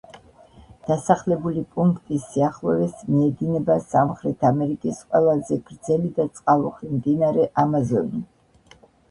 დასახლებული პუნქტის სიახლოვეს მიედინება სამხრეთ ამერიკის ყველაზე გრძელი და წყალუხვი მდინარე ამაზონი.